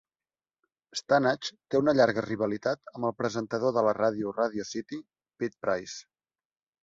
Stannage té una llarga rivalitat amb el presentador de la ràdio Radio City, Pete Price.